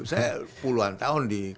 saya puluhan tahun di